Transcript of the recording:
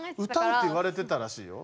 「歌う」って言われてたらしいよ。